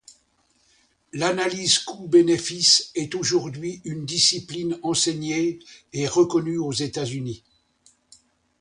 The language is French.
L'analyse coût-bénéfice est aujourd'hui une discipline enseignée et reconnue aux États-Unis.